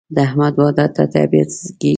د احمد واده ته طبیعت کېږي.